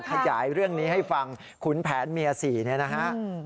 ขยายเรื่องนี้ให้ฟังขุนแผนเมีย๔เนี่ยนะฮะ